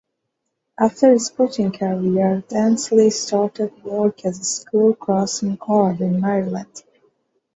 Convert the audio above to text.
After his coaching career, Dantley started work as a school crossing guard in Maryland.